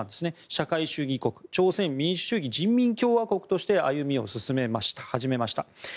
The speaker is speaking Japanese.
社会主義国朝鮮民主主義人民共和国として歩みを始めました。